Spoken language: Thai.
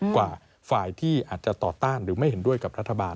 กว่าฝ่ายที่อาจจะต่อต้านหรือไม่เห็นด้วยกับรัฐบาล